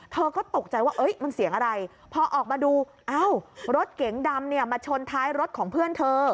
เธอก็ตกใจว่ามันเสียงอะไรพอออกมาดูเอ้ารถเก๋งดำเนี่ยมาชนท้ายรถของเพื่อนเธอ